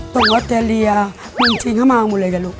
ตรงวัทเตรียมึงทิ้งเข้ามาก็หมดเลยนะลูก